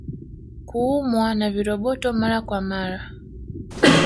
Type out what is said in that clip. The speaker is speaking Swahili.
Kuumwa na viroboto Mara kwa mara